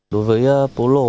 đối với pố lổ